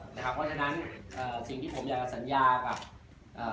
เพราะฉะนั้นเอ่อสิ่งที่ผมอยากจะสัญญากับเอ่อ